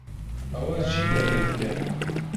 ئەوە چی دەکەیت لێرە؟